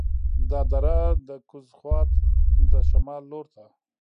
دا دره د کوز خوات د شمال لور ته